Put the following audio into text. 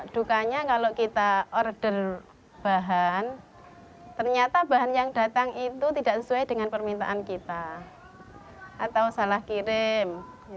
dukanya kalau kita order bahan ternyata bahan yang datang itu tidak sesuai dengan permintaan kita atau salah kirim